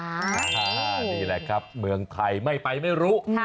นี่แหละครับเมืองไทยไม่ไปไม่รู้